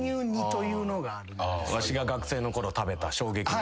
わしが学生のころ食べた衝撃の。